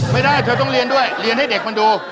ไม่ได้เธอต้องเรียนด้วยเรียนให้เด็กมันดู